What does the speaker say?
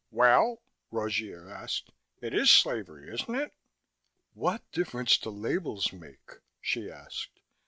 "Well?" Rogier asked. "It is slavery, isn't it?" "What difference do labels make?" she asked.